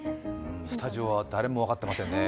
スタジオは誰も分かってませんね。